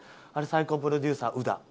あれ最高プロデューサーウダ。